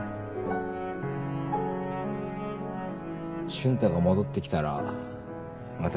瞬太が戻って来たらまた